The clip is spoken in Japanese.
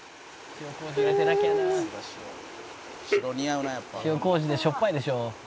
「塩麹でしょっぱいでしょ」